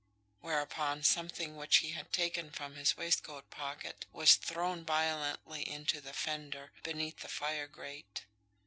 Whereupon something which he had taken from his waistcoat pocket was thrown violently into the fender, beneath the fire grate.